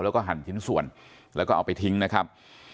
แล้วก็หั่นชิ้นส่วนแล้วก็เอาไปทิ้งนะครับ